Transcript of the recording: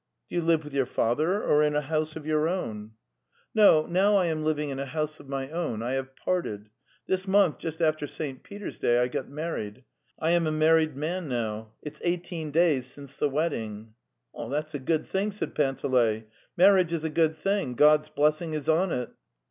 'Do you live with your father or in a house of your own?" 258 The Tales of Chekhov 'No; now I am living in a house of my own. I have parted. This month, just after St. Peter's at I got married. I am a married man now! . It's eighteen days since the wedding." "That's a good thing," said Panteley. " Mar riage is a good thing. ... God's blessing is on it."